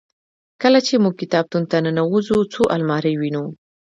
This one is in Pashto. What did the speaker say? کله چې موږ کتابتون ته ننوزو څو المارۍ وینو.